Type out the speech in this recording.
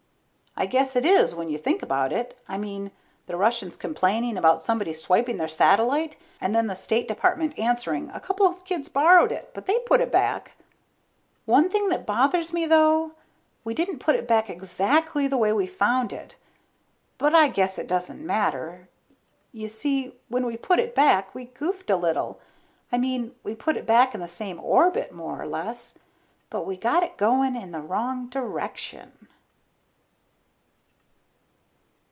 I guess it is when you think about it. I mean, the Russians complaining about somebody swiping their satellite and then the State Department answering a couple of kids borrowed it, but they put it back. One thing that bothers me though, we didn't put it back exactly the way we found it. But I guess it doesn't matter. You see, when we put it back, we goofed a little. I mean, we put it back in the same orbit, more or less, but we got it going in the wrong direction.